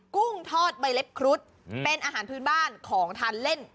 กุ้งทอดใบเล็บครุฑเป็นอาหารพื้นบ้านของทานเล่น